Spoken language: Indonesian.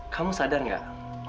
kamu sadar gak